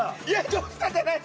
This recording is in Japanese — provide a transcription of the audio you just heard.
「どうした？」じゃない！